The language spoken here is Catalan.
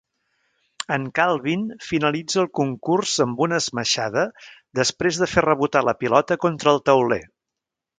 En Calvin finalitza el concurs amb una esmaixada després de fer rebotar la pilota contra el tauler.